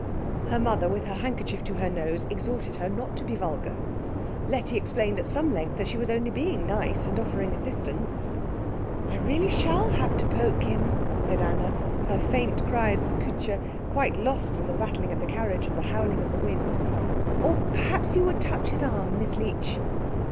Her mother, with her handkerchief to her nose, exhorted her not to be vulgar. Letty explained at some length that she was only being nice, and offering assistance. "I really shall have to poke him," said Anna, her faint cries of Kutscher quite lost in the rattling of the carriage and the howling of the wind. "Or perhaps you would touch his arm, Miss Leech."